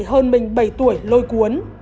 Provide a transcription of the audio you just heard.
hơn mình bảy tuổi lôi cuốn